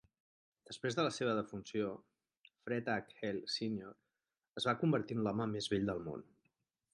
Després de la seva defunció, Fred H. Hale Senior es va convertir en l'home més vell del món.